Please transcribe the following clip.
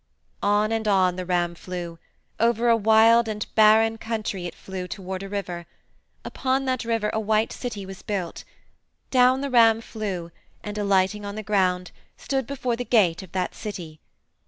"On and on the ram flew. Over a wild and barren country it flew and toward a river. Upon that river a white city was built. Down the ram flew, and alighting on the ground, stood before the gate of that city.